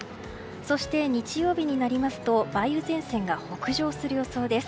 そして日曜日になると梅雨前線が北上する予想です。